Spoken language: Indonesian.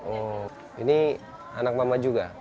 oh ini anak mama juga